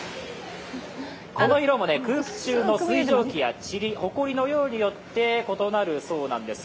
この色も空気中の水蒸気やちり、ほこりの量によって異なるようなんです。